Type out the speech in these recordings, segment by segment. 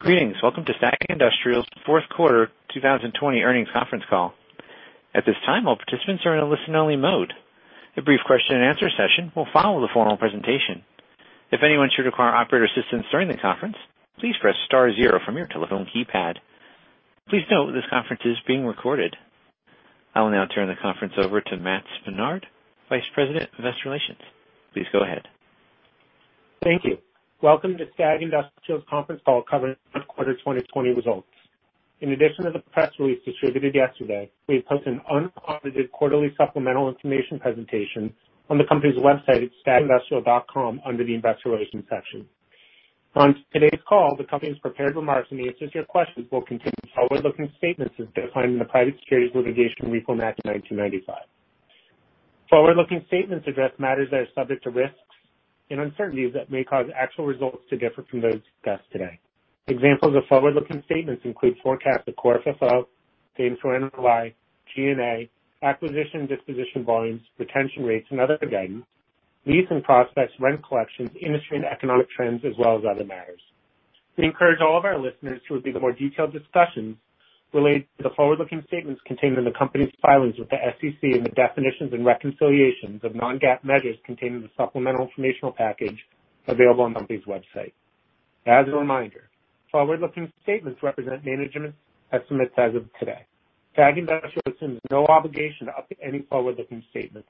Greetings. Welcome to STAG Industrial's Fourth Quarter 2020 Earnings Conference Call. At this time, all participants are in a listen only mode. A brief question and answer session will follow the formal presentation. If anyone should require operator assistance during the conference, please press star zero from your telephone keypad. Please note, this conference is being recorded. I will now turn the conference over to Matts Pinard, Vice President of Investor Relations. Please go ahead. Thank you. Welcome to STAG Industrial's conference call covering fourth quarter 2020 results. In addition to the press release distributed yesterday, we've posted an unabridged quarterly supplemental information presentation on the company's website at stagindustrial.com under the investor relations section. On today's call, the company's prepared remarks and the answers to your questions will contain forward-looking statements as defined in the Private Securities Litigation Reform Act of 1995. Forward-looking statements address matters that are subject to risks and uncertainties that may cause actual results to differ from those discussed today. Examples of forward-looking statements include forecasts of core FFO, same-store NOI, G&A, acquisition disposition volumes, retention rates, and other guidance, leasing prospects, rent collections, industry and economic trends, as well as other matters. We encourage all of our listeners to read the more detailed discussions related to the forward-looking statements contained in the company's filings with the SEC and the definitions and reconciliations of non-GAAP measures contained in the supplemental informational package available on the company's website. As a reminder, forward-looking statements represent management's estimates as of today. STAG Industrial assumes no obligation to update any forward-looking statements.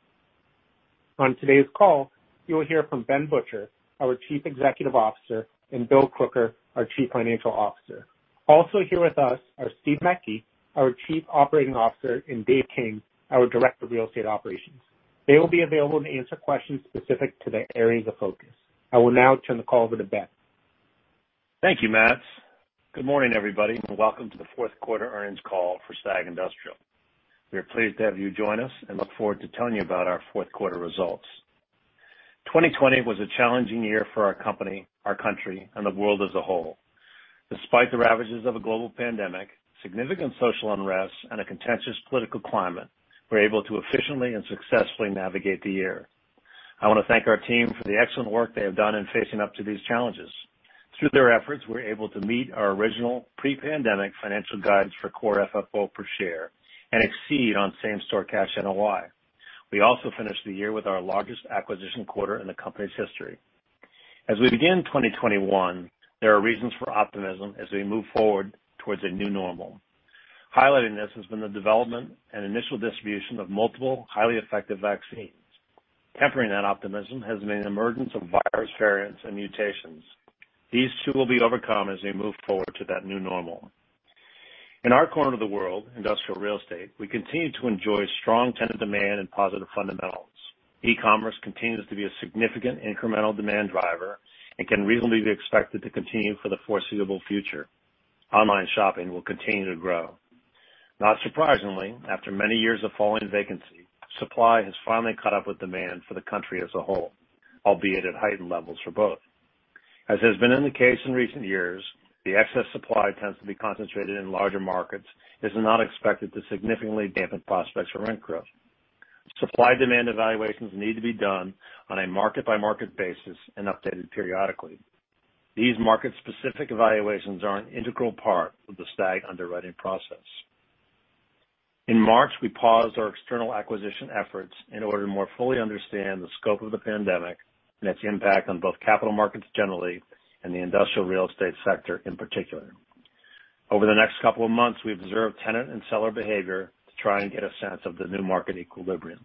On today's call, you will hear from Ben Butcher, our Chief Executive Officer, and Bill Crooker, our Chief Financial Officer. Also here with us are Steve Mecke, our Chief Operating Officer, and Dave King, our Director of Real Estate Operations. They will be available to answer questions specific to their areas of focus. I will now turn the call over to Ben. Thank you, Matts. Good morning, everybody, and welcome to the fourth quarter earnings call for STAG Industrial. We are pleased to have you join us and look forward to telling you about our fourth quarter results. 2020 was a challenging year for our company, our country, and the world as a whole. Despite the ravages of a global pandemic, significant social unrest, and a contentious political climate, we're able to efficiently and successfully navigate the year. I want to thank our team for the excellent work they have done in facing up to these challenges. Through their efforts, we're able to meet our original pre-pandemic financial guidance for core FFO per share and exceed on same-store cash NOI. We also finished the year with our largest acquisition quarter in the company's history. As we begin 2021, there are reasons for optimism as we move forward towards a new normal. Highlighting this has been the development and initial distribution of multiple highly effective vaccines. Tempering that optimism has been the emergence of virus variants and mutations. These too will be overcome as we move forward to that new normal. In our corner of the world, industrial real estate, we continue to enjoy strong tenant demand and positive fundamentals. E-commerce continues to be a significant incremental demand driver and can reasonably be expected to continue for the foreseeable future. Online shopping will continue to grow. Not surprisingly, after many years of falling vacancy, supply has finally caught up with demand for the country as a whole, albeit at heightened levels for both. As has been in the case in recent years, the excess supply tends to be concentrated in larger markets, is not expected to significantly dampen prospects for rent growth. Supply demand evaluations need to be done on a market-by-market basis and updated periodically. These market specific evaluations are an integral part of the STAG underwriting process. In March, we paused our external acquisition efforts in order to more fully understand the scope of the pandemic and its impact on both capital markets generally and the industrial real estate sector in particular. Over the next couple of months, we observed tenant and seller behavior to try and get a sense of the new market equilibrium.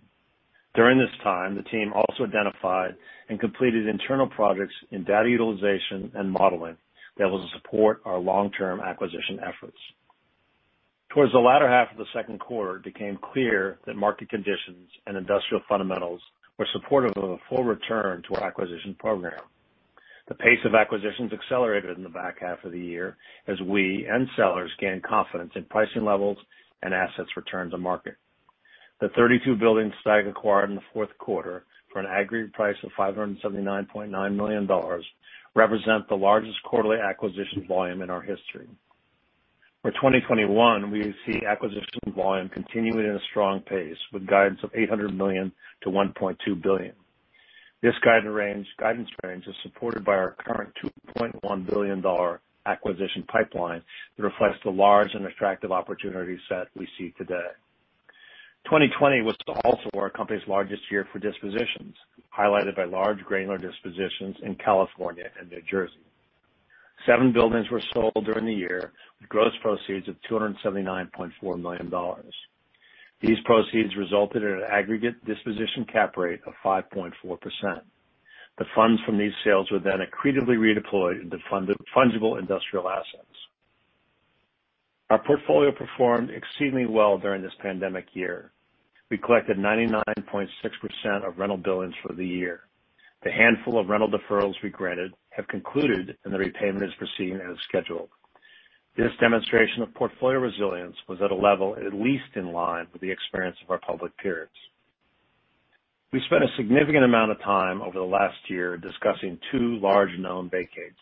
During this time, the team also identified and completed internal projects in data utilization and modeling that will support our long-term acquisition efforts. Towards the latter half of the second quarter, it became clear that market conditions and industrial fundamentals were supportive of a full return to our acquisition program. The pace of acquisitions accelerated in the back half of the year as we and sellers gained confidence in pricing levels and assets returned to market. The 32 buildings STAG acquired in the fourth quarter for an aggregate price of $579.9 million represent the largest quarterly acquisition volume in our history. For 2021, we see acquisition volume continuing at a strong pace with guidance of $800 million-$1.2 billion. This guidance range is supported by our current $2.1 billion acquisition pipeline that reflects the large and attractive opportunity set we see today. 2020 was also our company's largest year for dispositions, highlighted by large granular dispositions in California and New Jersey. Seven buildings were sold during the year with gross proceeds of $279.4 million. These proceeds resulted in an aggregate disposition cap rate of 5.4%. The funds from these sales were then accretively redeployed into fungible industrial assets. Our portfolio performed exceedingly well during this pandemic year. We collected 99.6% of rental billings for the year. The handful of rental deferrals we granted have concluded, and the repayment is proceeding as scheduled. This demonstration of portfolio resilience was at a level at least in line with the experience of our public peers. We spent a significant amount of time over the last year discussing two large known vacates,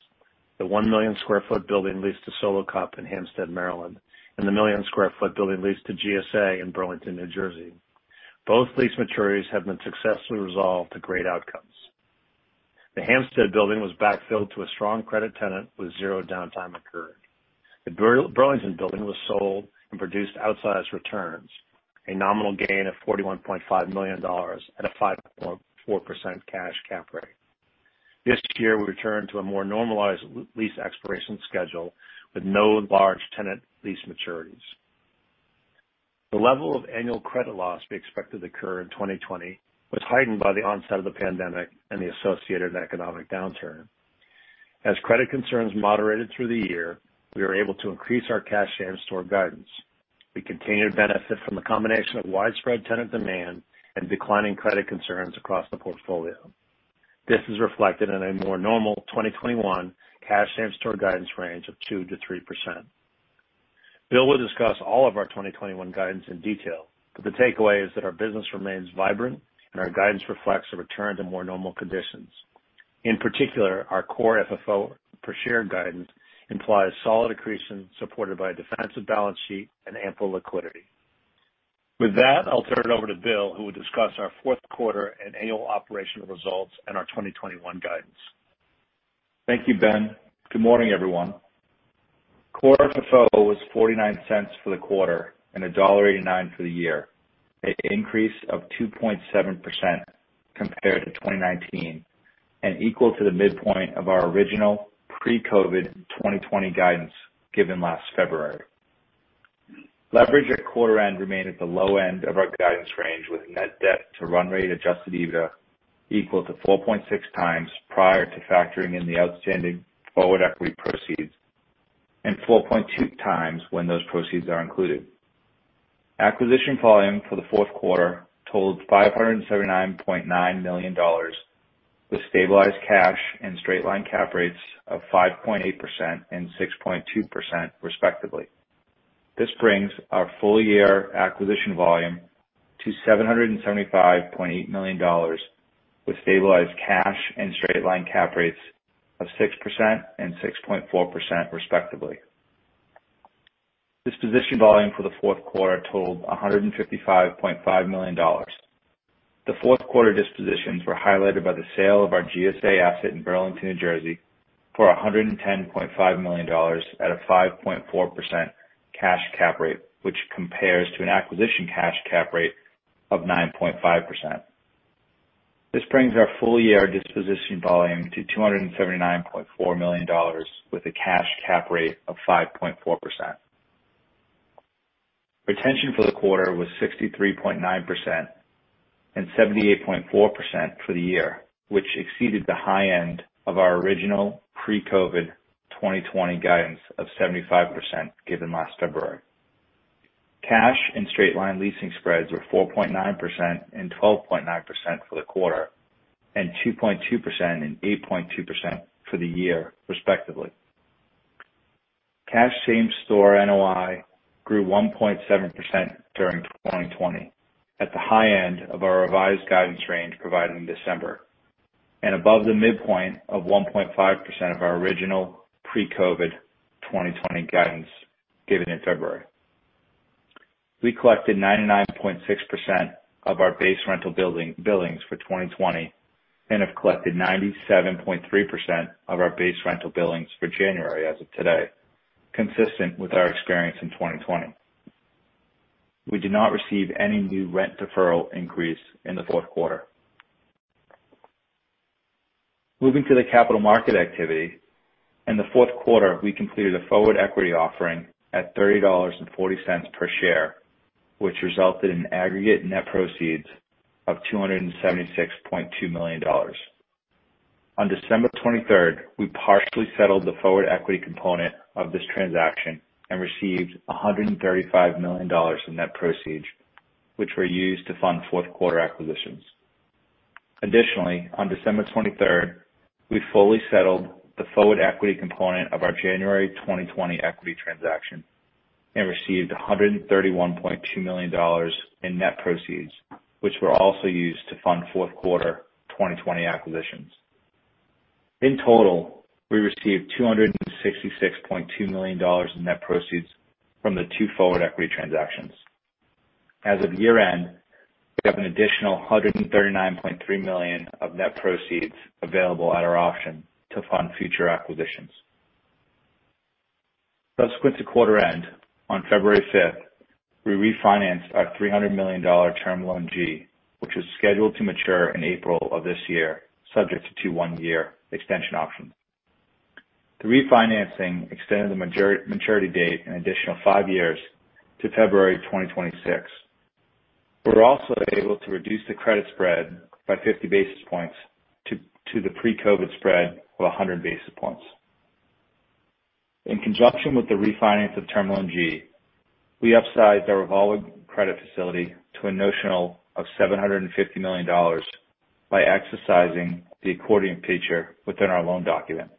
the 1 million square foot building leased to Solo Cup in Hampstead, Maryland, and the 1 million square foot building leased to GSA in Burlington, New Jersey. Both lease maturities have been successfully resolved to great outcomes. The Hampstead building was backfilled to a strong credit tenant with zero downtime occurred. The Burlington building was sold and produced outsized returns, a nominal gain of $41.5 million at a 5.4% cash cap rate. This year, we return to a more normalized lease expiration schedule with no large tenant lease maturities. The level of annual credit loss we expected to occur in 2020 was heightened by the onset of the pandemic and the associated economic downturn. As credit concerns moderated through the year, we were able to increase our cash same-store guidance. We continue to benefit from the combination of widespread tenant demand and declining credit concerns across the portfolio. This is reflected in a more normal 2021 cash same-store guidance range of 2%-3%. Bill will discuss all of our 2021 guidance in detail, but the takeaway is that our business remains vibrant and our guidance reflects a return to more normal conditions. In particular, our core FFO per share guidance implies solid accretion supported by a defensive balance sheet and ample liquidity. With that, I'll turn it over to Bill, who will discuss our fourth quarter and annual operational results and our 2021 guidance. Thank you, Ben. Good morning, everyone. Core FFO was $0.49 for the quarter and $1.89 for the year, an increase of 2.7% compared to 2019 and equal to the midpoint of our original pre-COVID 2020 guidance given last February. Leverage at quarter end remained at the low end of our guidance range, with net debt to run rate adjusted EBITDA equal to 4.6x prior to factoring in the outstanding forward equity proceeds, and 4.2x when those proceeds are included. Acquisition volume for the fourth quarter totaled $579.9 million with stabilized cash and straight-line cap rates of 5.8% and 6.2% respectively. This brings our full year acquisition volume to $775.8 million with stabilized cash and straight-line cap rates of 6% and 6.4% respectively. Disposition volume for the fourth quarter totaled $155.5 million. The fourth quarter dispositions were highlighted by the sale of our GSA asset in Burlington, New Jersey, for $110.5 million at a 5.4% cash cap rate, which compares to an acquisition cash cap rate of 9.5%. This brings our full year disposition volume to $279.4 million with a cash cap rate of 5.4%. Retention for the quarter was 63.9% and 78.4% for the year, which exceeded the high end of our original pre-COVID 2020 guidance of 75% given last February. Cash and straight line leasing spreads were 4.9% and 12.9% for the quarter, and 2.2% and 8.2% for the year respectively. Cash same-store NOI grew 1.7% during 2020 at the high end of our revised guidance range provided in December, and above the midpoint of 1.5% of our original pre-COVID 2020 guidance given in February. We collected 99.6% of our base rental billings for 2020 and have collected 97.3% of our base rental billings for January as of today, consistent with our experience in 2020. We did not receive any new rent deferral increase in the fourth quarter. Moving to the capital market activity. In the fourth quarter, we completed a forward equity offering at $30.40 per share, which resulted in aggregate net proceeds of $276.2 million. On December 23rd, we partially settled the forward equity component of this transaction and received $135 million in net proceeds, which were used to fund fourth quarter acquisitions. Additionally, on December 23rd, we fully settled the forward equity component of our January 2020 equity transaction and received $131.2 million in net proceeds, which were also used to fund fourth quarter 2020 acquisitions. In total, we received $266.2 million in net proceeds from the two forward equity transactions. As of year end, we have an additional $139.3 million of net proceeds available at our option to fund future acquisitions. Subsequent to quarter end, on February 5th, we refinanced our $300 million Term Loan G, which is scheduled to mature in April of this year, subject to one year extension option. The refinancing extended the maturity date an additional five years to February 2026. We were also able to reduce the credit spread by 50 basis points to the pre-COVID spread of 100 basis points. In conjunction with the refinance of Term Loan G, we upsized our revolving credit facility to a notional of $750 million by exercising the accordion feature within our loan document.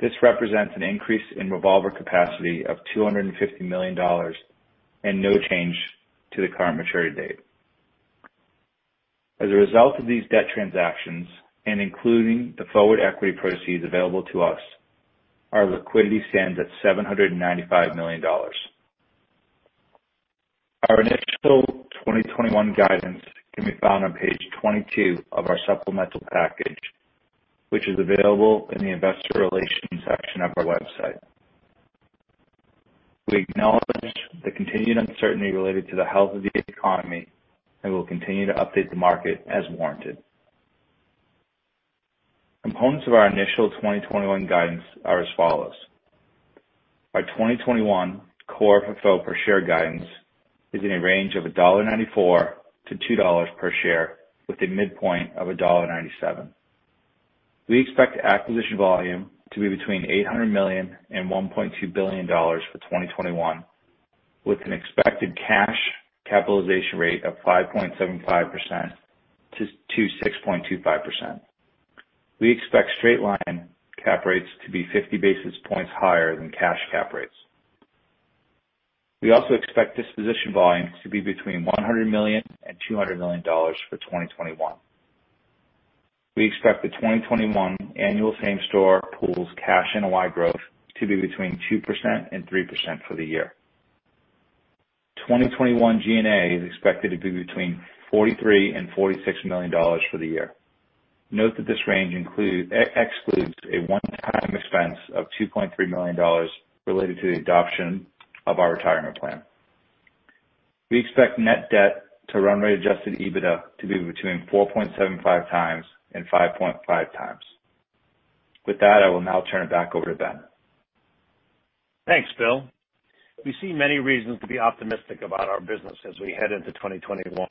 This represents an increase in revolver capacity of $250 million and no change to the current maturity date. As a result of these debt transactions, and including the forward equity proceeds available to us, our liquidity stands at $795 million. Our initial 2021 guidance can be found on page 22 of our supplemental package, which is available in the investor relations section of our website. We acknowledge the continued uncertainty related to the health of the economy and will continue to update the market as warranted. Components of our initial 2021 guidance are as follows. Our 2021 core FFO per share guidance is in a range of $1.94 to $2 per share, with a midpoint of $1.97. We expect acquisition volume to be between $800 million and $1.2 billion for 2021, with an expected cash capitalization rate of 5.75%-6.25%. We expect straight-line cap rates to be 50 basis points higher than cash cap rates. We also expect disposition volumes to be between $100 million and $200 million for 2021. We expect the 2021 annual same-store pools cash NOI growth to be between 2% and 3% for the year. 2021 G&A is expected to be between $43 million and $46 million for the year. Note that this range excludes a one-time expense of $2.3 million related to the adoption of our retirement plan. We expect net debt to run rate adjusted EBITDA to be between 4.75x and 5.5x. With that, I will now turn it back over to Ben. Thanks, Bill. We see many reasons to be optimistic about our business as we head into 2021.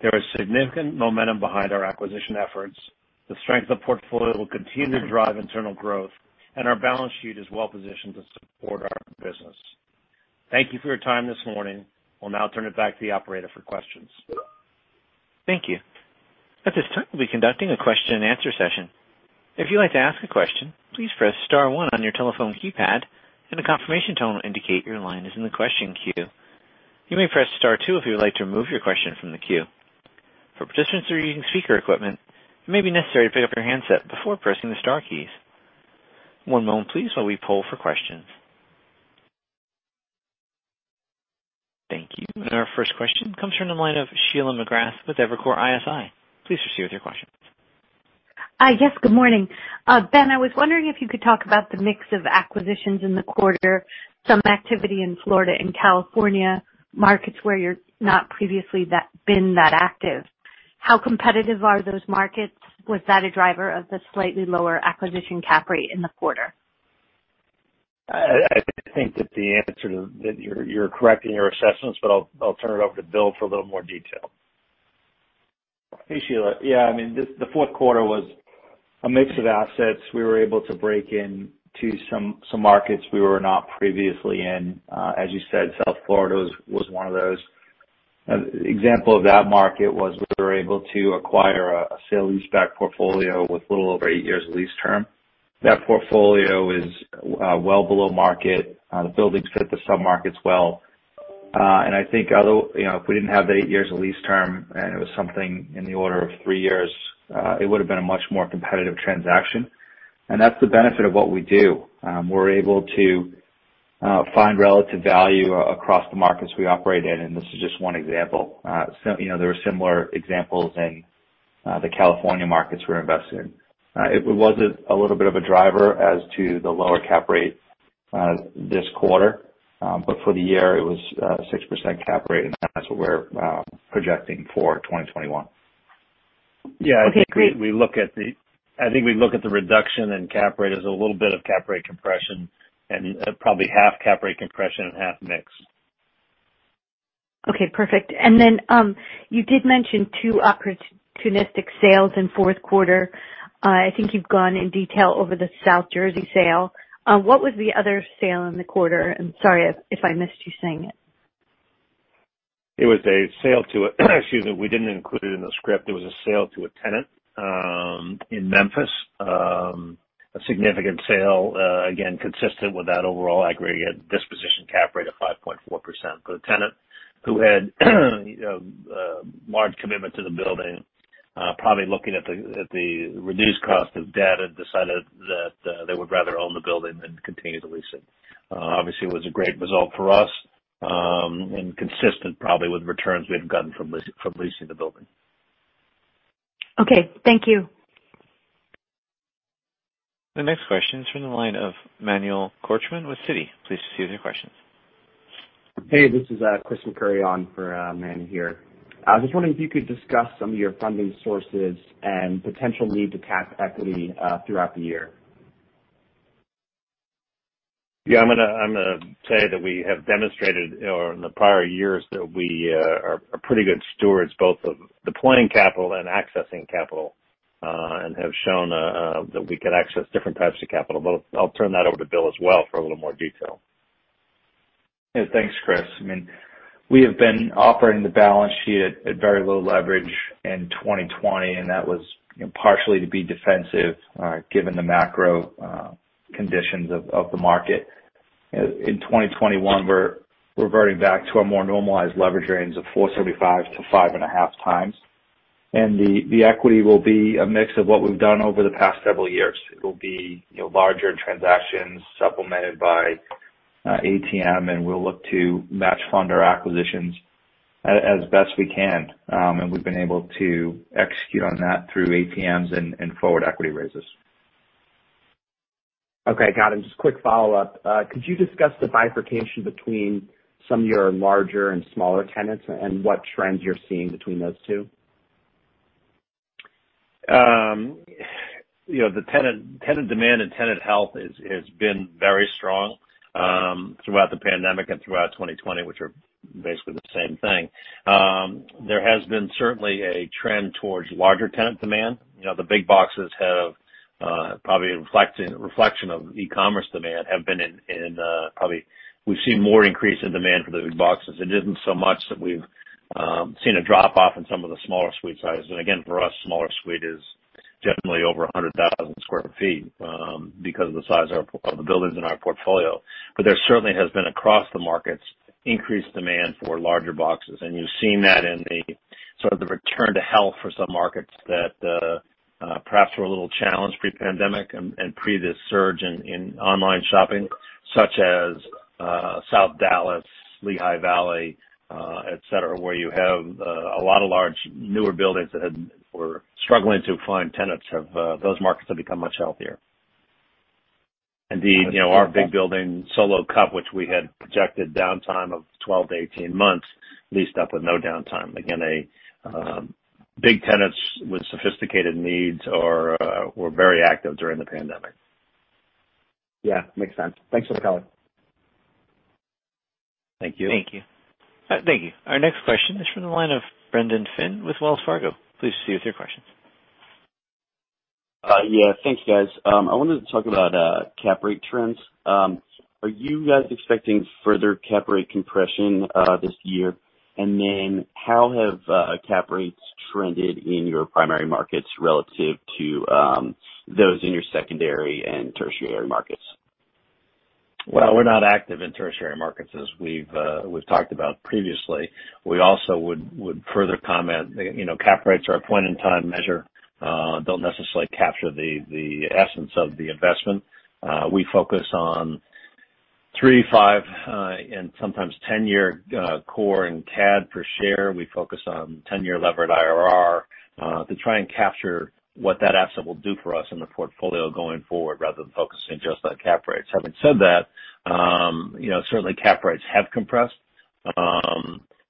There is significant momentum behind our acquisition efforts. The strength of the portfolio will continue to drive internal growth, and our balance sheet is well positioned to support our business. Thank you for your time this morning. We'll now turn it back to the operator for questions. Thank you. At this time we'll be conducting a question and answer session. If you'd like to ask a question, please press star one on your telephone keypad and a confirmation tone will indicate your line is in the question queue. You may press star two if you'd like to remove your question from the queue. For participants who are using speaker equipment may be necessary to pick up your handset before pressing the star keys. One moment please while we poll for questions. Thank you. Our first question comes from the line of Sheila McGrath with Evercore ISI. Please proceed with your questions. Yes. Good morning. Ben, I was wondering if you could talk about the mix of acquisitions in the quarter, some activity in Florida and California, markets where you've not previously been that active. How competitive are those markets? Was that a driver of the slightly lower acquisition cap rate in the quarter? I think that you're correct in your assessments, but I'll turn it over to Bill for a little more detail. Hey, Sheila. Yeah, the fourth quarter was a mix of assets. We were able to break into some markets we were not previously in. As you said, South Florida was one of those. An example of that market was we were able to acquire a sale-leaseback portfolio with a little over eight years lease term. That portfolio is well below market. The buildings fit the submarkets well. I think if we didn't have the eight years of lease term, and it was something in the order of three years, it would've been a much more competitive transaction, that's the benefit of what we do. We're able to find relative value across the markets we operate in, this is just one example. There are similar examples in the California markets we're invested in. It was a little bit of a driver as to the lower cap rate this quarter. For the year it was 6% cap rate, and that's what we're projecting for 2021. Yeah. Okay, great. I think we look at the reduction in cap rate as a little bit of cap rate compression, and probably half cap rate compression and half mix. Okay, perfect. You did mention two opportunistic sales in fourth quarter. I think you've gone in detail over the South Jersey sale. What was the other sale in the quarter? Sorry if I missed you saying it. Excuse me. We didn't include it in the script. It was a sale to a tenant in Memphis. A significant sale, again, consistent with that overall aggregated disposition cap rate of 5.4% for the tenant who had a large commitment to the building. Probably looking at the reduced cost of debt and decided that they would rather own the building than continue to lease it. Obviously, it was a great result for us, and consistent probably with returns we've gotten from leasing the building. Okay. Thank you. The next question is from the line of Emmanuel Korchman with Citi. Please proceed with your questions. Hey, this is Chris McCurry on for Manny here. I was just wondering if you could discuss some of your funding sources and potential need to tap equity throughout the year. Yeah. I'm going to say that we have demonstrated or in the prior years that we are pretty good stewards both of deploying capital and accessing capital, and have shown that we can access different types of capital. I'll turn that over to Bill as well for a little more detail. Yeah. Thanks, Chris. We have been operating the balance sheet at very low leverage in 2020, and that was partially to be defensive given the macro conditions of the market. In 2021, we're reverting back to a more normalized leverage range of 4.75x-5.5x. The equity will be a mix of what we've done over the past several years. It'll be larger transactions supplemented by ATM, and we'll look to match fund our acquisitions as best we can. We've been able to execute on that through ATMs and forward equity raises. Okay, got it. Just quick follow-up. Could you discuss the bifurcation between some of your larger and smaller tenants, and what trends you're seeing between those two? The tenant demand and tenant health has been very strong throughout the pandemic and throughout 2020, which are basically the same thing. There has been certainly a trend towards larger tenant demand. The big boxes have, probably a reflection of e-commerce demand, we've seen more increase in demand for the big boxes. It isn't so much that we've seen a drop-off in some of the smaller suite sizes. Again, for us, smaller suite is generally over 100,000 sq ft because of the size of the buildings in our portfolio. But there certainly has been, across the markets, increased demand for larger boxes. You've seen that in the sort of the return to health for some markets that perhaps were a little challenged pre-pandemic and pre this surge in online shopping, such as South Dallas, Lehigh Valley, et cetera, where you have a lot of large newer buildings that were struggling to find tenants. Those markets have become much healthier. Indeed, our big building, Solo Cup, which we had projected downtime of 12-18 months, leased up with no downtime. Again, big tenants with sophisticated needs were very active during the pandemic. Yeah, makes sense. Thanks for the color. Thank you. Thank you. Our next question is from the line of Brendan Flynn with Wells Fargo. Please proceed with your questions. Yeah. Thank you, guys. I wanted to talk about cap rate trends. Are you guys expecting further cap rate compression this year? How have cap rates trended in your primary markets relative to those in your secondary and tertiary markets? Well, we're not active in tertiary markets as we've talked about previously. We also would further comment, cap rates are a point-in-time measure. They don't necessarily capture the essence of the investment. We focus on three, five, and sometimes 10-year core and CAD per share. We focus on 10-year levered IRR to try and capture what that asset will do for us in the portfolio going forward, rather than focusing just on cap rates. Having said that, certainly cap rates have compressed.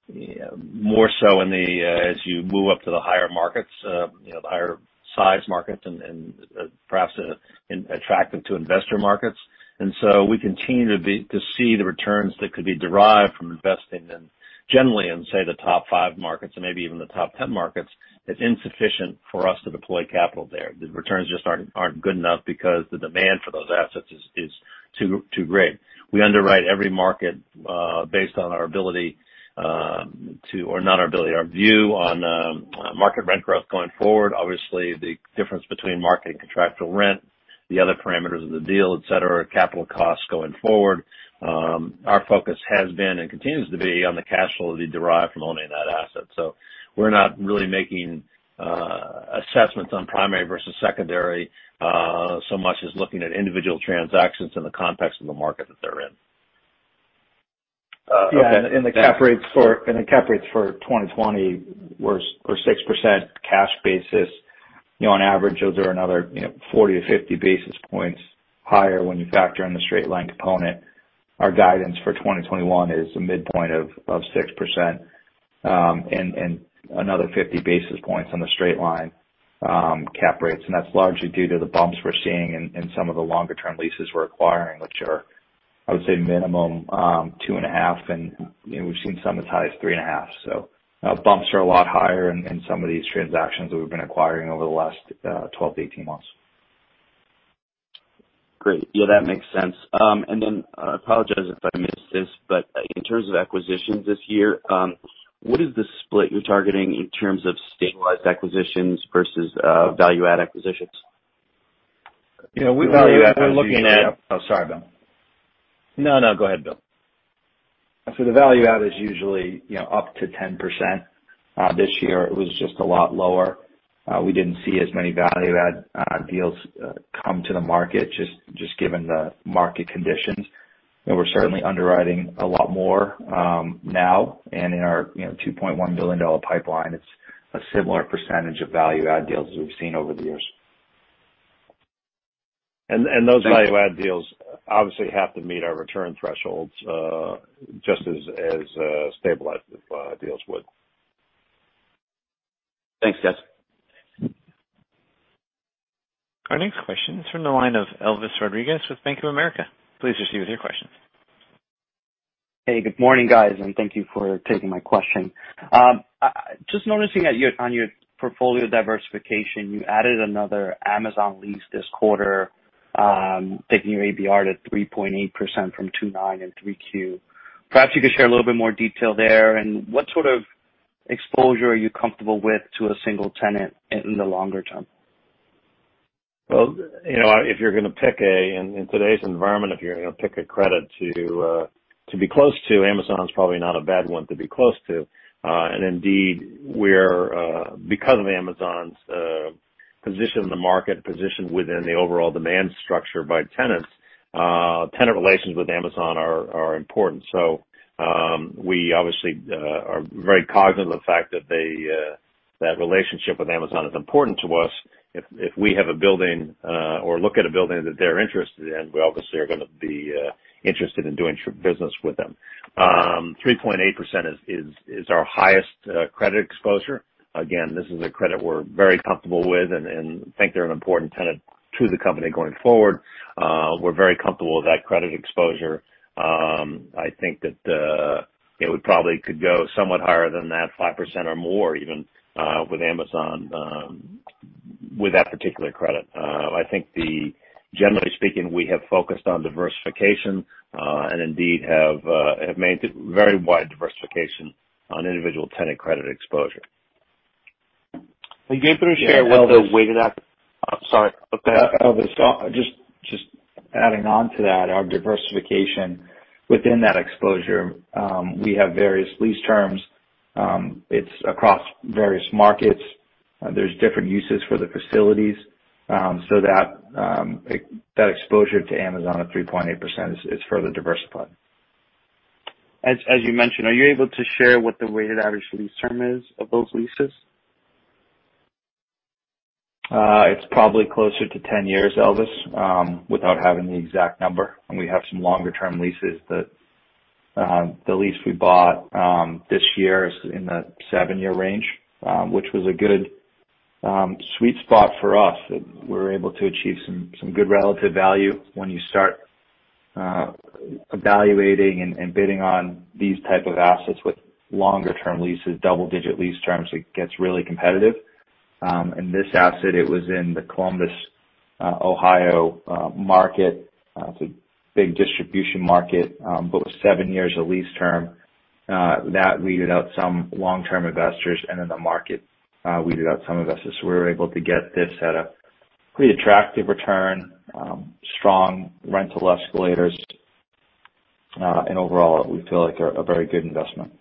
More so as you move up to the higher markets, the higher size markets and perhaps attractive to investor markets. We continue to see the returns that could be derived from investing in generally in, say, the top five markets and maybe even the top 10 markets, it's insufficient for us to deploy capital there. The returns just aren't good enough because the demand for those assets is too great. We underwrite every market based on our ability to our view on market rent growth going forward. Obviously, the difference between market and contractual rent, the other parameters of the deal, et cetera, capital costs going forward. Our focus has been, and continues to be, on the cash flow to be derived from owning that asset. We're not really making assessments on primary versus secondary so much as looking at individual transactions in the context of the market that they're in. Yeah. The cap rates for 2020 were 6% cash basis. On average, those are another 40-50 basis points higher when you factor in the straight-line component. Our guidance for 2021 is a midpoint of 6%, and another 50 basis points on the straight-line cap rates. That's largely due to the bumps we're seeing in some of the longer-term leases we're acquiring, which are, I would say, minimum 2.5, and we've seen some as high as 3.5. Bumps are a lot higher in some of these transactions that we've been acquiring over the last 12-18 months. Great. Yeah, that makes sense. I apologize if I missed this, in terms of acquisitions this year, what is the split you're targeting in terms of stabilized acquisitions versus value-add acquisitions? We're looking at, oh, sorry, Bill. No, no. Go ahead, Bill. The value add is usually up to 10%. This year it was just a lot lower. We didn't see as many value add deals come to the market, just given the market conditions. We're certainly underwriting a lot more now and in our $2.1 billion pipeline, it's a similar percentage of value add deals as we've seen over the years. Those value add deals obviously have to meet our return thresholds, just as stabilized deals would. Thanks, guys. Our next question is from the line of Elvis Rodriguez with Bank of America. Please proceed with your questions. Hey, good morning, guys, and thank you for taking my question. Just noticing on your portfolio diversification, you added another Amazon lease this quarter, taking your ABR to 3.8% from 2.9% in 3Q. Perhaps you could share a little bit more detail there and what sort of exposure are you comfortable with to a single tenant in the longer term? Well, in today's environment, if you're going to pick a credit to be close to, Amazon's probably not a bad one to be close to. Indeed, because of Amazon's position in the market, position within the overall demand structure by tenants, tenant relations with Amazon are important. We obviously are very cognizant of the fact that that relationship with Amazon is important to us. If we have a building or look at a building that they're interested in, we obviously are going to be interested in doing business with them. 3.8% is our highest credit exposure. Again, this is a credit we're very comfortable with and think they're an important tenant to the company going forward. We're very comfortable with that credit exposure. I think that we probably could go somewhat higher than that, 5% or more even with Amazon, with that particular credit. I think generally speaking, we have focused on diversification and indeed have made very wide diversification on individual tenant credit exposure. Are you able to share what the weighted--? Oh, sorry. Go ahead. Elvis, just adding on to that, our diversification within that exposure, we have various lease terms. It's across various markets. There's different uses for the facilities. That exposure to Amazon of 3.8% is further diversified. As you mentioned, are you able to share what the weighted average lease term is of those leases? It's probably closer to 10 years, Elvis, without having the exact number, and we have some longer-term leases. The lease we bought this year is in the seven-year range, which was a good sweet spot for us, and we were able to achieve some good relative value. When you start evaluating and bidding on these type of assets with longer term leases, double-digit lease terms, it gets really competitive. This asset, it was in the Columbus, Ohio, market. It's a big distribution market. With seven years of lease term, that left out some long-term investors, and in the market, we left out some investors. We were able to get this at a pretty attractive return, strong rental escalators. Overall, we feel like they're a very good investment.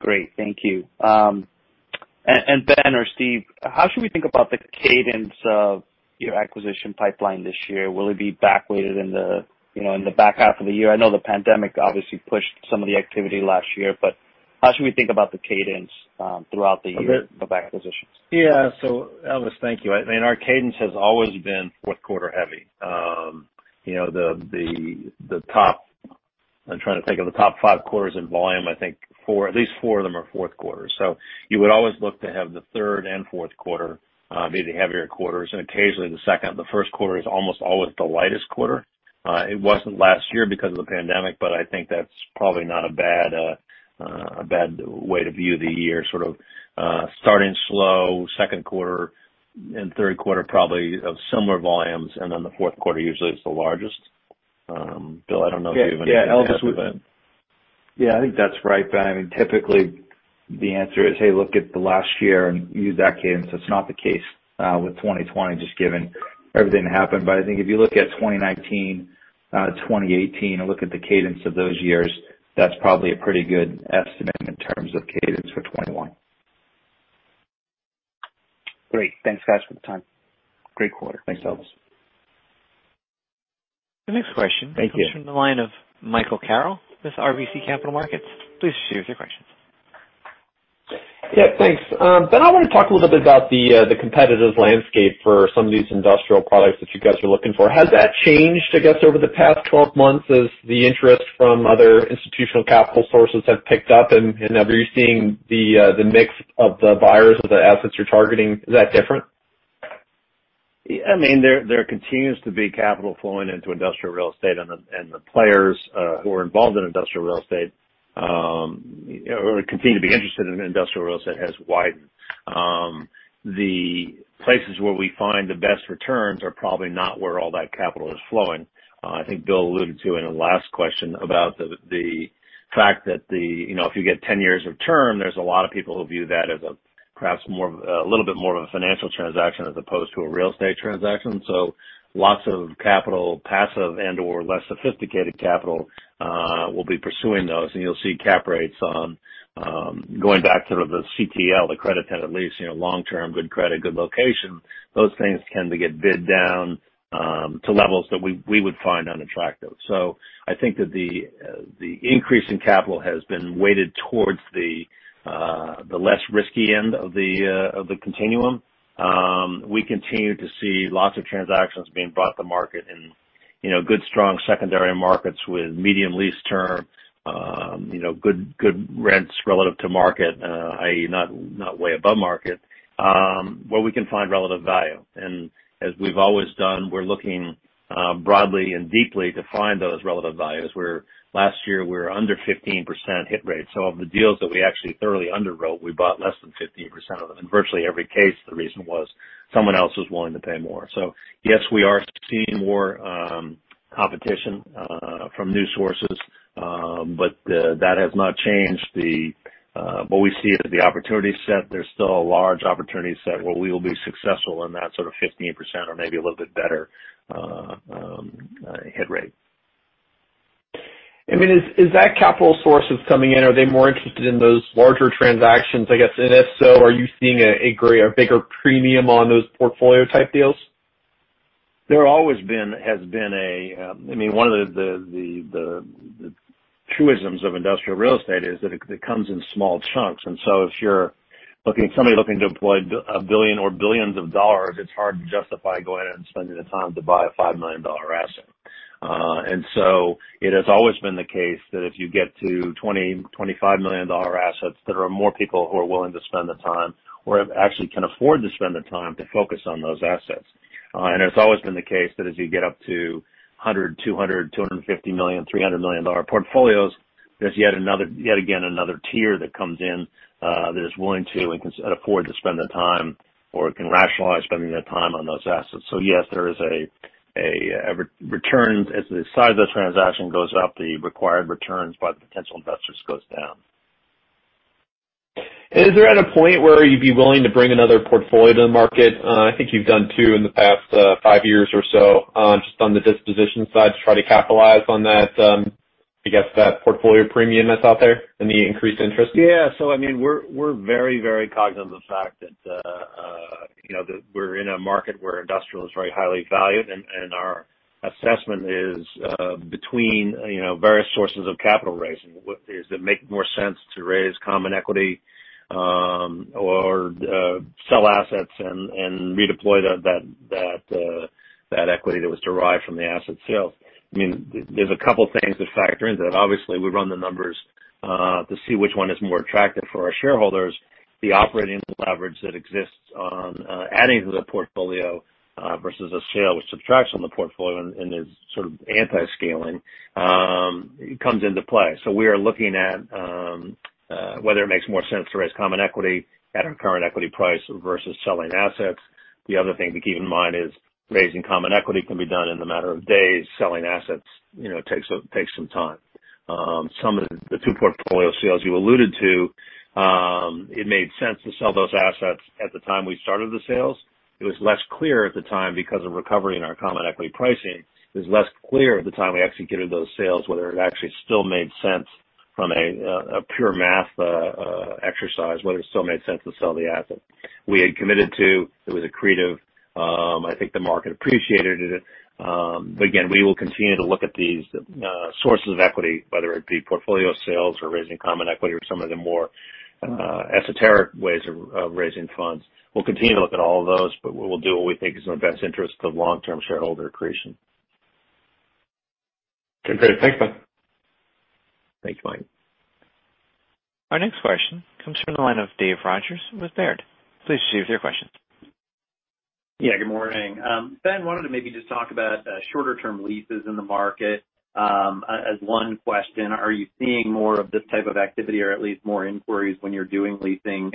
Great. Thank you. Ben or Steve, how should we think about the cadence of your acquisition pipeline this year? Will it be back weighted in the back half of the year? I know the pandemic obviously pushed some of the activity last year. How should we think about the cadence throughout the year of acquisitions? Yeah. Elvis, thank you. I mean, our cadence has always been fourth quarter heavy. I'm trying to think of the top five quarters in volume. I think at least four of them are fourth quarter. You would always look to have the third and fourth quarter be the heavier quarters, and occasionally the second. The first quarter is almost always the lightest quarter. It wasn't last year because of the pandemic, but I think that's probably not a bad way to view the year, sort of starting slow, second quarter and third quarter probably of similar volumes, and then the fourth quarter usually is the largest. Bill, I don't know if you have anything to add to that. Yeah. I think that's right, Ben. I mean, typically, the answer is, hey, look at the last year and use that cadence. That's not the case with 2020, just given everything that happened. I think if you look at 2019, 2018, and look at the cadence of those years, that's probably a pretty good estimate in terms of cadence for 2021. Great. Thanks, guys, for the time. Great quarter. Thanks, Elvis. The next question- Thank you.... comes from the line of Michael Carroll with RBC Capital Markets. Please share your questions. Yeah, thanks. Ben, I want to talk a little bit about the competitive landscape for some of these industrial products that you guys are looking for. Has that changed, I guess, over the past 12 months as the interest from other institutional capital sources have picked up, and are you seeing the mix of the buyers of the assets you're targeting, is that different? I mean, there continues to be capital flowing into industrial real estate, and the players who are involved in industrial real estate, or continue to be interested in industrial real estate, has widened. The places where we find the best returns are probably not where all that capital is flowing. I think Bill alluded to in the last question about the fact that if you get 10 years of term, there's a lot of people who view that as perhaps a little bit more of a financial transaction as opposed to a real estate transaction. Lots of capital, passive and/or less sophisticated capital, will be pursuing those, and you'll see cap rates on going back to the CTL, the credit tenant lease, long-term, good credit, good location. Those things tend to get bid down to levels that we would find unattractive. I think that the increase in capital has been weighted towards the less risky end of the continuum. We continue to see lots of transactions being brought to market in good, strong secondary markets with medium lease term, good rents relative to market, i.e., not way above market, where we can find relative value. As we've always done, we're looking broadly and deeply to find those relative values, where last year we were under 15% hit rate. Of the deals that we actually thoroughly underwrote, we bought less than 15% of them. In virtually every case, the reason was someone else was willing to pay more. Yes, we are seeing more competition from new sources, but that has not changed. We see that the opportunity set, there's still a large opportunity set where we will be successful in that sort of 15% or maybe a little bit better hit rate. Is that capital sources coming in, are they more interested in those larger transactions, I guess? If so, are you seeing a greater, bigger premium on those portfolio-type deals? One of the truisms of industrial real estate is that it comes in small chunks. If you're somebody looking to deploy a billion or billions of dollars, it's hard to justify going out and spending the time to buy a $5 million asset. It has always been the case that if you get to $20 million, $25 million assets, there are more people who are willing to spend the time or actually can afford to spend the time to focus on those assets. It's always been the case that as you get up to $100 million, $200 million, $250 million, $300 million portfolios, there's yet again another tier that comes in that is willing to and can afford to spend the time or can rationalize spending the time on those assets. Yes, as the size of the transaction goes up, the required returns by potential investors goes down. Is there at a point where you'd be willing to bring another portfolio to the market? I think you've done two in the past five years or so, just on the disposition side to try to capitalize on that portfolio premium that's out there and the increased interest. Yeah. We're very, very cognizant of the fact that we're in a market where industrial is very highly valued, and our assessment is, between various sources of capital raising, does it make more sense to raise common equity or sell assets and redeploy that equity that was derived from the asset sales? There's a couple things that factor into that. Obviously, we run the numbers to see which one is more attractive for our shareholders. The operating leverage that exists on adding to the portfolio versus a sale, which subtracts from the portfolio and is sort of anti-scaling, comes into play. We are looking at whether it makes more sense to raise common equity at our current equity price versus selling assets. The other thing to keep in mind is raising common equity can be done in a matter of days. Selling assets takes some time. Some of the two portfolio sales you alluded to, it made sense to sell those assets at the time we started the sales. It was less clear at the time because of recovery in our common equity pricing. It was less clear at the time we executed those sales whether it actually still made sense from a pure math exercise, whether it still made sense to sell the asset. We had committed to. It was accretive. I think the market appreciated it. Again, we will continue to look at these sources of equity, whether it be portfolio sales or raising common equity or some of the more esoteric ways of raising funds. We'll continue to look at all of those, but we'll do what we think is in the best interest of long-term shareholder accretion. Okay. Thanks, Ben. Thanks, Mike. Our next question comes from the line of Dave Rodgers with Baird. Please proceed with your question. Yeah, good morning. Ben, wanted to maybe just talk about shorter term leases in the market, as one question. Are you seeing more of this type of activity or at least more inquiries when you're doing leasing?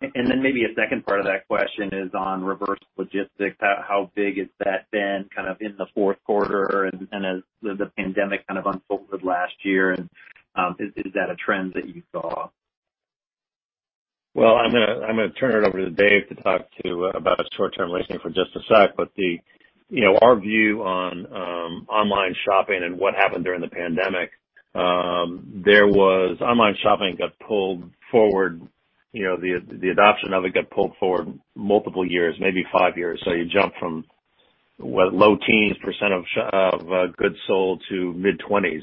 Maybe a second part of that question is on reverse logistics. How big has that been kind of in the fourth quarter and as the pandemic kind of unfolded last year? Is that a trend that you saw? Well, I'm going to turn it over to Dave to talk to about short-term leasing for just a sec. Our view on online shopping and what happened during the pandemic, online shopping got pulled forward. The adoption of it got pulled forward multiple years, maybe five years. You jump from low teens percent of goods sold to mid-20s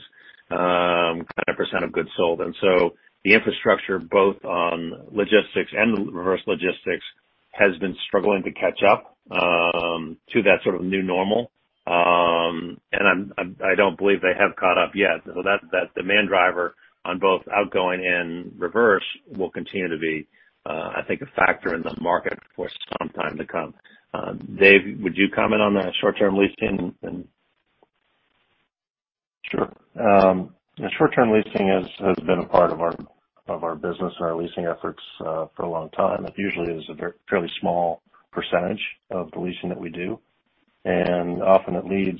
kind of percent of goods sold. The infrastructure, both on logistics and reverse logistics, has been struggling to catch up to that sort of new normal. I don't believe they have caught up yet. That demand driver on both outgoing and reverse will continue to be, I think, a factor in the market for some time to come. Dave, would you comment on the short-term leasing and? Sure. Short-term leasing has been a part of our business and our leasing efforts for a long time. It usually is a fairly small percentage of the leasing that we do, and often it leads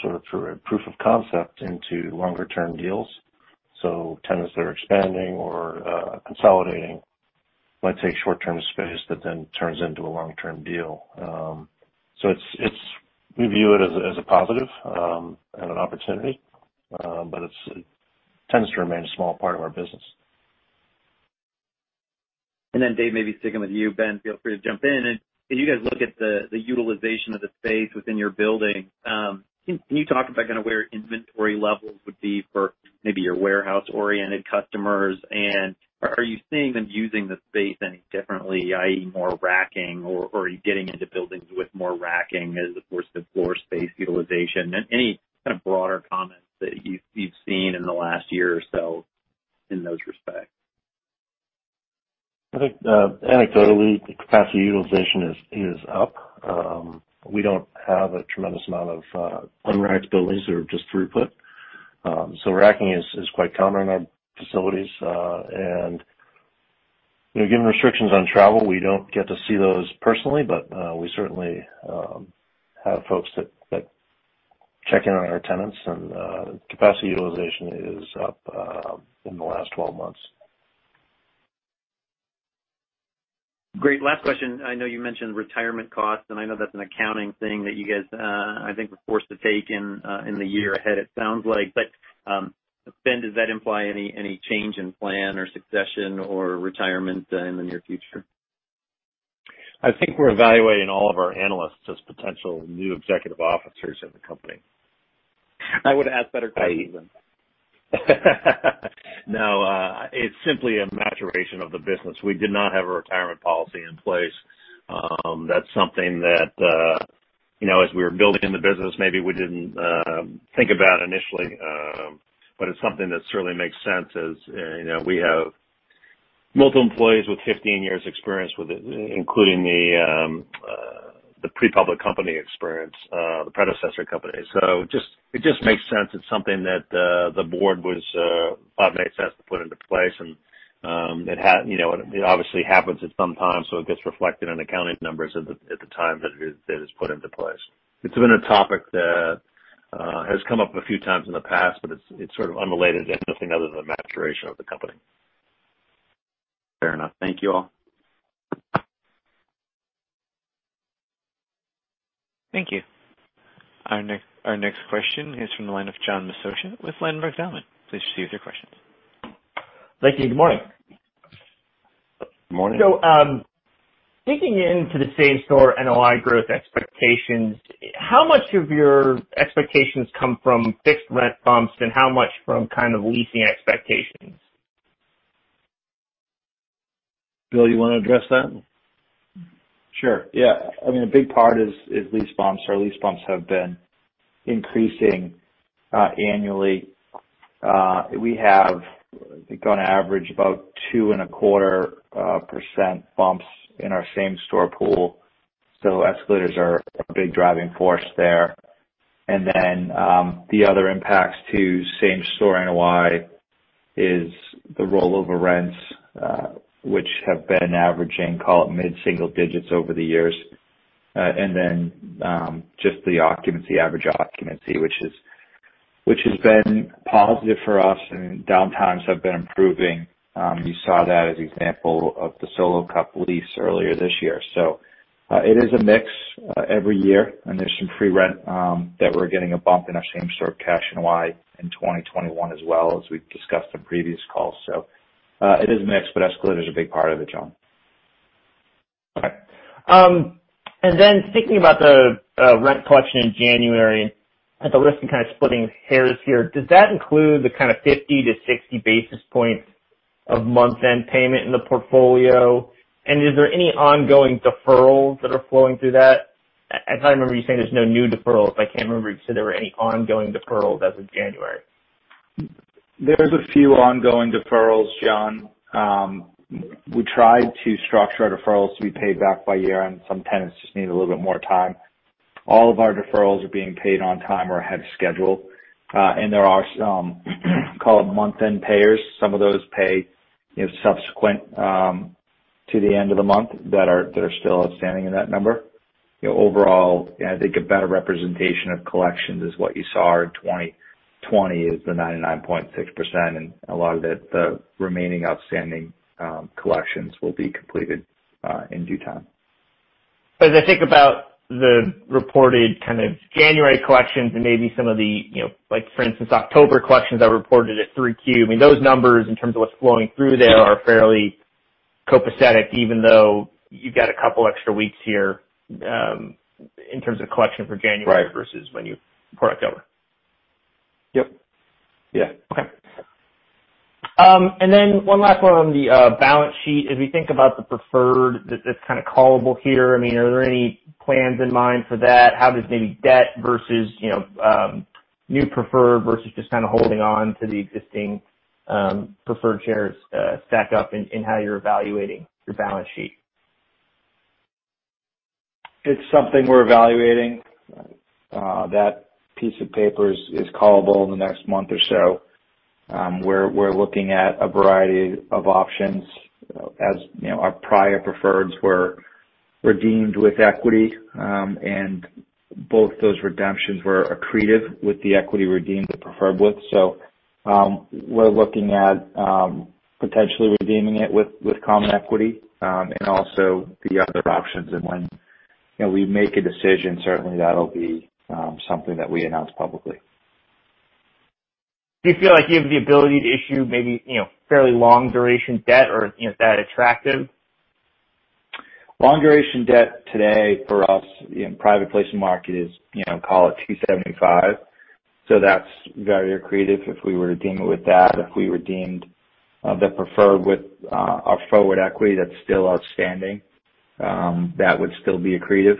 sort of through a proof of concept into longer-term deals. Tenants that are expanding or consolidating might take short-term space that then turns into a long-term deal. We view it as a positive and an opportunity, but it tends to remain a small part of our business. Dave, maybe sticking with you. Ben, feel free to jump in. As you guys look at the utilization of the space within your building, can you talk about kind of where inventory levels would be for maybe your warehouse-oriented customers? Are you seeing them using the space any differently, i.e., more racking, or are you getting into buildings with more racking as opposed to floor space utilization? Any kind of broader comments that you've seen in the last year or so in those respects? I think, anecdotally, the capacity utilization is up. We don't have a tremendous amount of un-racked buildings or just throughput. Racking is quite common in our facilities. Given restrictions on travel, we don't get to see those personally, but we certainly have folks that check in on our tenants. Capacity utilization is up in the last 12 months. Great. Last question. I know you mentioned retirement costs. I know that's an accounting thing that you guys, I think, were forced to take in the year ahead, it sounds like. Does that imply any change in plan or succession or retirement in the near future? I think we're evaluating all of our analysts as potential new executive officers of the company. I would ask better questions then. No. It's simply a maturation of the business. We did not have a retirement policy in place. That's something that, as we were building the business, maybe we didn't think about initially. It's something that certainly makes sense as we have multiple employees with 15 years' experience with it, including the pre-public company experience, the predecessor company. It just makes sense. It's something that the board was of made sense to put into place. It obviously happens at some time, so it gets reflected in accounting numbers at the time that it is put into place. It's been a topic that has come up a few times in the past, but it's sort of unrelated to anything other than the maturation of the company. Fair enough. Thank you all. Thank you. Our next question is from the line of John Massocca with Ladenburg Thalmann. Please proceed with your questions. Thank you. Good morning. Good morning. Digging into the same-store NOI growth expectations, how much of your expectations come from fixed rent bumps and how much from kind of leasing expectations? Bill, you want to address that? Sure. Yeah. A big part is lease bumps. Our lease bumps have been increasing annually. We have, I think on average, about 2.25% bumps in our same-store pool. Escalators are a big driving force there. The other impacts to same-store NOI is the rollover rents, which have been averaging call it mid-single digits over the years. Just the average occupancy, which has been positive for us and downtimes have been improving. You saw that as an example of the Solo Cup lease earlier this year. It is a mix every year, and there's some free rent that we're getting a bump in our same-store cash NOI in 2021 as well, as we've discussed on previous calls. It is a mix, but escalator's a big part of it, John. Okay. Thinking about the rent collection in January, I feel like I'm kind of splitting hairs here. Does that include the kind of 50-60 basis points of month-end payment in the portfolio? Is there any ongoing deferrals that are flowing through that? I remember you saying there's no new deferrals, but I can't remember if you said there were any ongoing deferrals as of January. There's a few ongoing deferrals, John. We try to structure deferrals to be paid back by year-end. Some tenants just need a little bit more time. All of our deferrals are being paid on time or ahead of schedule. There are some call it month-end payers. Some of those pay subsequent to the end of the month that are still outstanding in that number. Overall, I think a better representation of collections is what you saw in 2020 is the 99.6%, and a lot of the remaining outstanding collections will be completed in due time. As I think about the reported kind of January collections and maybe some of the, for instance, October collections that reported at 3Q, those numbers in terms of what's flowing through there are fairly copacetic, even though you've got a couple of extra weeks here in terms of collection for January- Right. ... versus for October. Yep. Yeah. Okay. One last one on the balance sheet. As we think about the preferred that's kind of callable here, are there any plans in mind for that? How does maybe debt versus new preferred versus just kind of holding on to the existing preferred shares stack up in how you're evaluating your balance sheet? It's something we're evaluating. That piece of paper is callable in the next month or so. We're looking at a variety of options. As our prior preferreds were redeemed with equity, and both those redemptions were accretive with the equity redeemed the preferred with. We're looking at potentially redeeming it with common equity. Also the other options. When we make a decision, certainly that'll be something that we announce publicly. Do you feel like you have the ability to issue maybe fairly long duration debt, or is that attractive? Long duration debt today for us in private placement market is call it 275. That's very accretive if we were to redeem it with that. If we redeemed the preferred with our forward equity that's still outstanding, that would still be accretive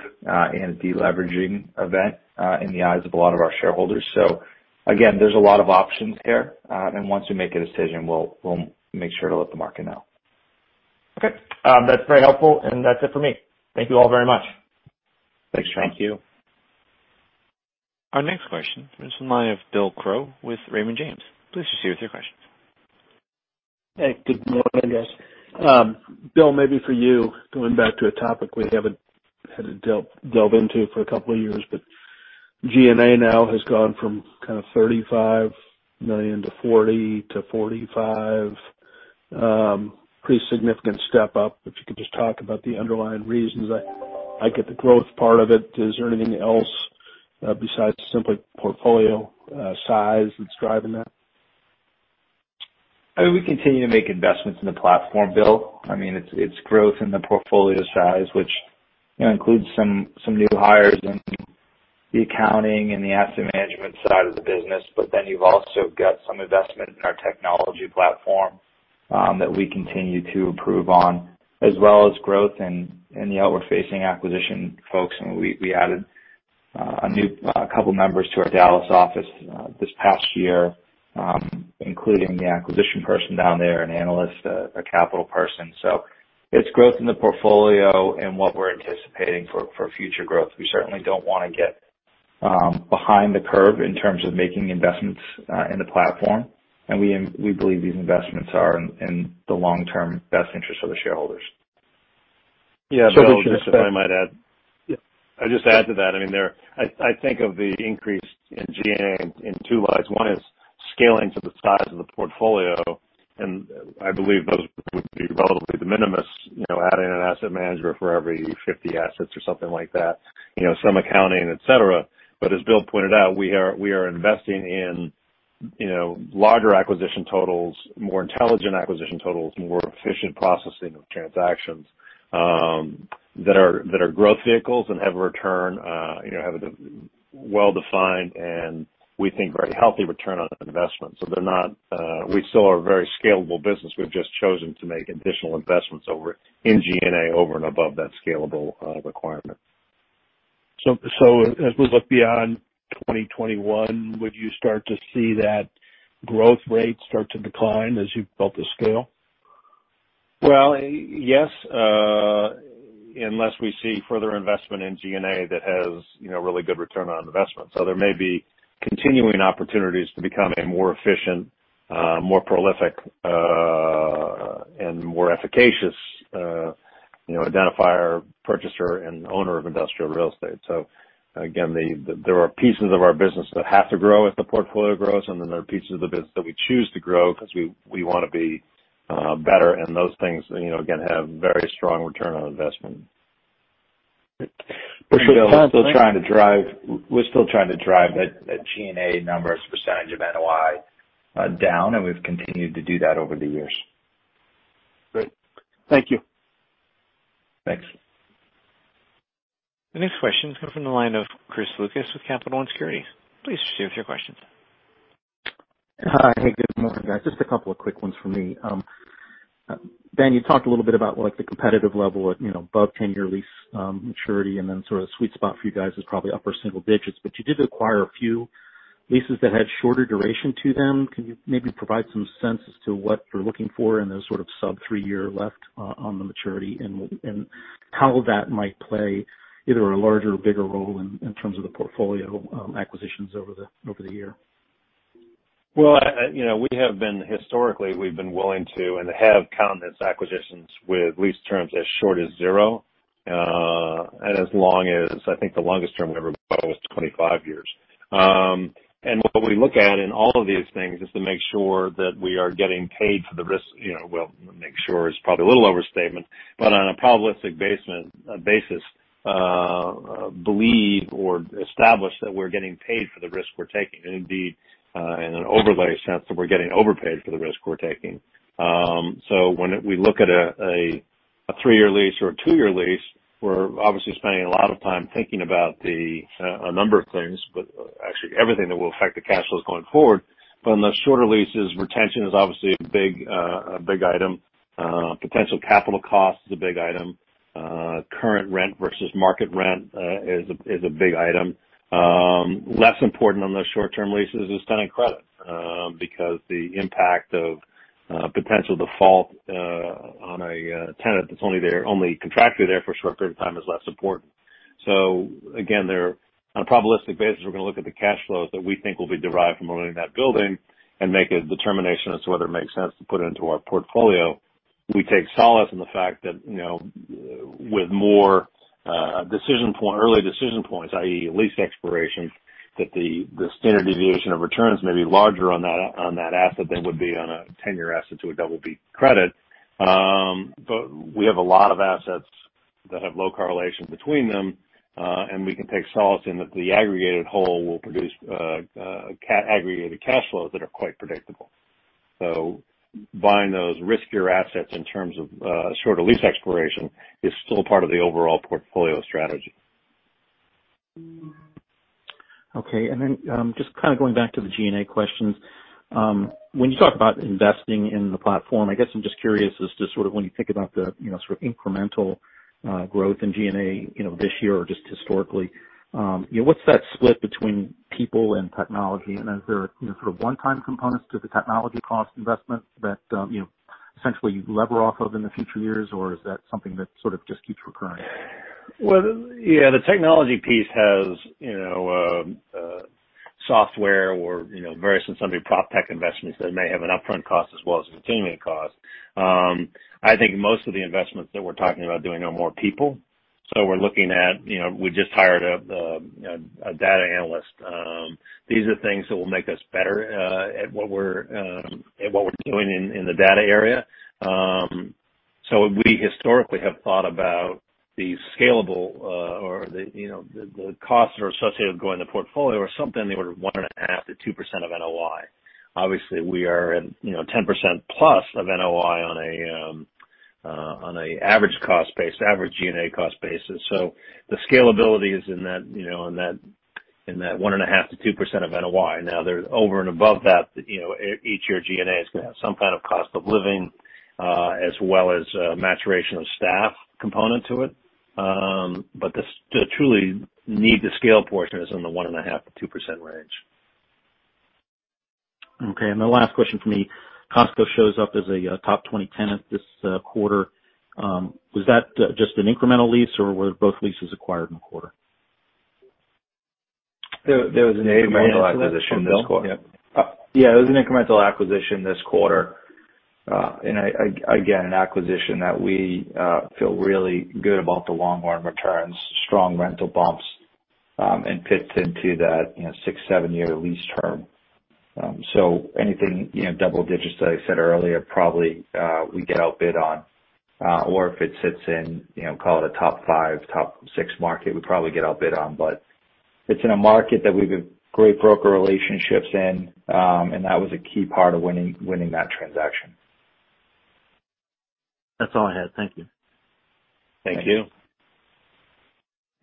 in a deleveraging event in the eyes of a lot of our shareholders. Again, there's a lot of options here, and once we make a decision, we'll make sure to let the market know. Okay. That's very helpful, and that's it for me. Thank you all very much. Thanks, John. Thank you. Our next question comes from the line of Bill Crow with Raymond James. Please proceed with your questions. Hey, good morning, guys. Bill, maybe for you, going back to a topic we haven't had to delve into for a couple of years. G&A now has gone from kind of $35 million to $40 million to $45 million. Pretty significant step up, if you could just talk about the underlying reasons. I get the growth part of it. Is there anything else besides simply portfolio size that's driving that? We continue to make investments in the platform, Bill. It's growth in the portfolio size, which includes some new hires in the accounting and the asset management side of the business. You've also got some investment in our technology platform that we continue to improve on, as well as growth in the outward-facing acquisition folks, and we added a couple members to our Dallas office this past year, including the acquisition person down there, an analyst, a capital person. It's growth in the portfolio and what we're anticipating for future growth. We certainly don't want to get behind the curve in terms of making investments in the platform, and we believe these investments are in the long term best interest of the shareholders. Yeah, Bill, just if I might add. Yeah. I'd just add to that, I think of the increase in G&A in two lights. One is scaling to the size of the portfolio. I believe those would be relatively de minimis, adding an asset manager for every 50 assets or something like that, some accounting, et cetera. As Bill pointed out, we are investing in larger acquisition totals, more intelligent acquisition totals, more efficient processing of transactions that are growth vehicles and have a well-defined, and we think, very healthy return on investment. We still are a very scalable business. We've just chosen to make additional investments in G&A over and above that scalable requirement. As we look beyond 2021, would you start to see that growth rate start to decline as you've built the scale? Well, yes, unless we see further investment in G&A that has really good return on investment. There may be continuing opportunities to become a more efficient, more prolific, and more efficacious identifier, purchaser, and owner of industrial real estate. Again, there are pieces of our business that have to grow as the portfolio grows, and then there are pieces of the business that we choose to grow because we want to be better, and those things, again, have very strong return on investment. We're still trying to drive that G&A number as a percentage of NOI down, and we've continued to do that over the years. Great. Thank you. Thanks. The next question comes from the line of Chris Lucas with Capital One Securities. Please proceed with your questions. Hi. Hey, good morning, guys. Just a couple of quick ones from me. Ben, you talked a little bit about the competitive level above 10-year lease maturity. Sort of sweet spot for you guys is probably upper single digits, but you did acquire a few leases that had shorter duration to them. Can you maybe provide some sense as to what you're looking for in those sort of sub three-year left on the maturity and how that might play either a larger or bigger role in terms of the portfolio acquisitions over the year? Historically, we've been willing to and have counted as acquisitions with lease terms as short as zero, and as long as, I think the longest term we ever bought was 25 years. What we look at in all of these things is to make sure that we are getting paid for the risk. Make sure is probably a little overstatement, but on a probabilistic basis, believe or establish that we're getting paid for the risk we're taking, and indeed, in an overlay sense, that we're getting overpaid for the risk we're taking. When we look at a three-year lease or a two-year lease, we're obviously spending a lot of time thinking about a number of things, but actually everything that will affect the cash flows going forward. On the shorter leases, retention is obviously a big item. Potential capital cost is a big item. Current rent versus market rent is a big item. Less important on those short-term leases is tenant credit because the impact of potential default on a tenant that's only contractually there for a short period of time is less important. Again, on a probabilistic basis, we're going to look at the cash flows that we think will be derived from owning that building and make a determination as to whether it makes sense to put it into our portfolio. We take solace in the fact that with more early decision points, i.e., lease expirations, that the standard deviation of returns may be larger on that asset than would be on a 10-year asset to a BB credit. We have a lot of assets that have low correlation between them. We can take solace in that the aggregated whole will produce aggregated cash flows that are quite predictable. Buying those riskier assets in terms of shorter lease expiration is still part of the overall portfolio strategy. Just kind of going back to the G&A questions. When you talk about investing in the platform, I guess I'm just curious as to sort of when you think about the sort of incremental growth in G&A this year or just historically, what's that split between people and technology, and is there sort of one-time components to the technology cost investment that essentially lever off of in the future years, or is that something that sort of just keeps recurring? Yeah, the technology piece has software or various and sundry proptech investments that may have an upfront cost as well as a continuing cost. I think most of the investments that we're talking about doing are more people, so we're looking at, we just hired a data analyst. These are things that will make us better at what we're doing in the data area. We historically have thought about the scalable or the costs that are associated with growing the portfolio are something in the order of 1.5%-2% of NOI. Obviously, we are at 10%+ of NOI on a average cost base, average G&A cost basis. The scalability is in that 1.5%-2% of NOI. Over and above that, each year G&A is going to have some kind of cost of living, as well as maturation of staff component to it. The truly need to scale portion is in the 1.5%-2% range. Okay. The last question from me, Costco shows up as a top 20 tenant this quarter. Was that just an incremental lease, or were both leases acquired in the quarter? There was an incremental acquisition this quarter. Yeah, it was an incremental acquisition this quarter. Again, an acquisition that we feel really good about the long-term returns, strong rental bumps, and fits into that six, seven-year lease term. Anything double-digits, as I said earlier, probably we get outbid on. If it sits in, call it a top five, top six market, we probably get outbid on. It's in a market that we've great broker relationships in, and that was a key part of winning that transaction. That's all I had. Thank you. Thank you.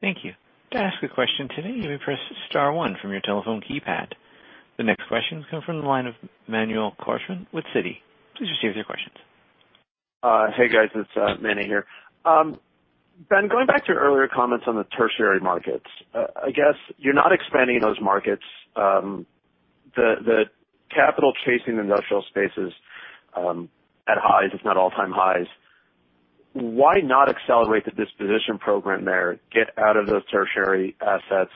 Thank you. To ask a question today, you may press star one from your telephone keypad. The next question comes from the line of Emmanuel Korchman with Citi. Please proceed with your question. Hey, guys, it's Manny here. Ben, going back to your earlier comments on the tertiary markets, I guess you're not expanding those markets. The capital chasing industrial space is at highs, if not all-time highs. Why not accelerate the disposition program there, get out of those tertiary assets,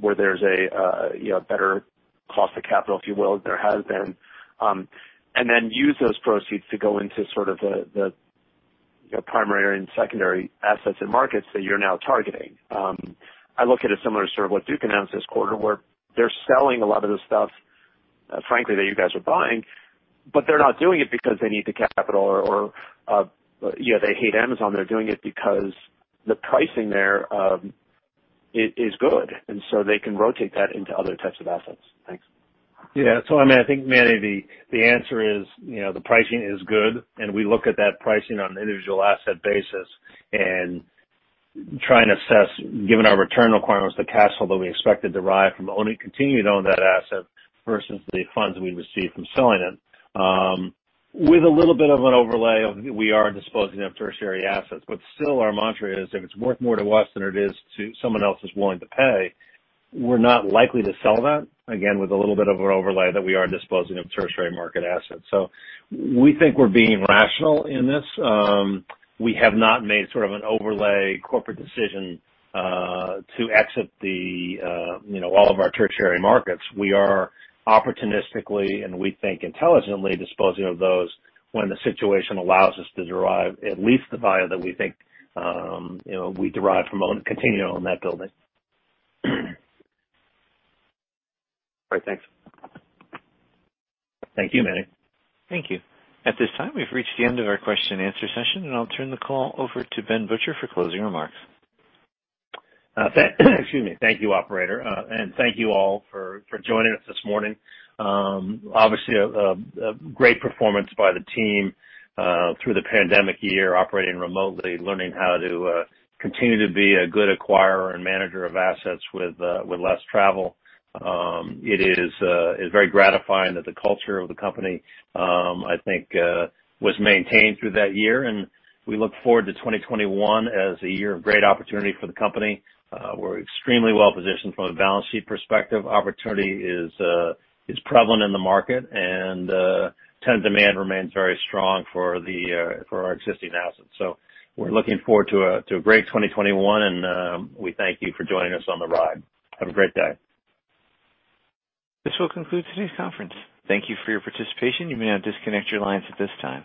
where there's a better cost of capital, if you will, than there has been, and then use those proceeds to go into sort of the primary and secondary assets and markets that you're now targeting? I look at it similar to sort of what Duke announced this quarter, where they're selling a lot of the stuff, frankly, that you guys are buying, but they're not doing it because they need the capital or they hate Amazon. They're doing it because the pricing there is good, and so they can rotate that into other types of assets. Thanks. Yeah. I think, Manny, the answer is, the pricing is good, and we look at that pricing on an individual asset basis and try and assess, given our return requirements, the cash flow that we expect to derive from continuing to own that asset versus the funds we receive from selling it. With a little bit of an overlay of we are disposing of tertiary assets. Still our mantra is, if it's worth more to us than it is to someone else who's willing to pay, we're not likely to sell that. Again, with a little bit of an overlay that we are disposing of tertiary market assets. We think we're being rational in this. We have not made sort of an overlay corporate decision to exit all of our tertiary markets. We are opportunistically, and we think intelligently disposing of those when the situation allows us to derive at least the value that we think we derive from continuing to own that building. All right. Thanks. Thank you, Manny. Thank you. At this time, we've reached the end of our question and answer session, and I'll turn the call over to Ben Butcher for closing remarks. Excuse me. Thank you, operator. Thank you all for joining us this morning. Obviously, a great performance by the team through the pandemic year, operating remotely, learning how to continue to be a good acquirer and manager of assets with less travel. It is very gratifying that the culture of the company, I think, was maintained through that year, and we look forward to 2021 as a year of great opportunity for the company. We're extremely well-positioned from a balance sheet perspective. Opportunity is prevalent in the market, and tenant demand remains very strong for our existing assets. We're looking forward to a great 2021, and we thank you for joining us on the ride. Have a great day. This will conclude today's conference. Thank you for your participation. You may now disconnect your lines at this time.